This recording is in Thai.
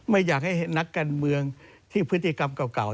ไม่อยากให้นักการเมืองที่พฤติกรรมเก่า